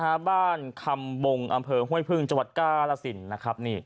ชาวบ้านคำบงอำเภอห้วยพึ่งจวัดกล้ารสินนะครับ